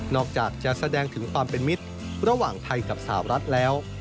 อกจากจะแสดงถึงความเป็นมิตรระหว่างไทยกับสาวรัฐแล้ว